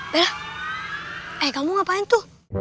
bella kamu ngapain tuh